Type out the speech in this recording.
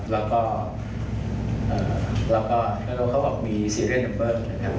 แล้วก็แล้วก็เขาบอกมีซีเรียสนัมเบิร์นนะครับ